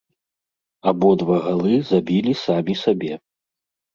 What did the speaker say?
Абодва галы забілі самі сабе.